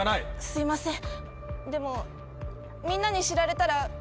すいません。